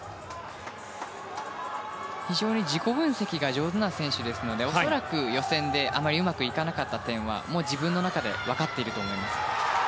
非常に自己分析が上手な選手ですので恐らく、予選であまりうまくいかなかった点はもう自分の中で分かっていると思います。